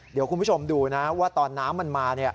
เดี๋ยวคุณผู้ชมดูนะว่าตอนน้ำมันมา